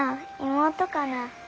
妹かな？